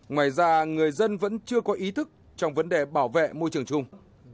ngoài ra người dân vẫn chưa có ý thức trong vấn đề bảo vệ môi trường chung